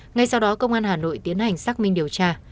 ngay sau đó công an hà nội tiến hành xác minh điều tra